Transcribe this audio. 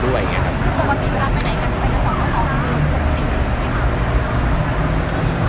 คือปกติเวลาไปไหนกันไปกัน๒ครั้ง๒คือปกติสิมั้ยครับ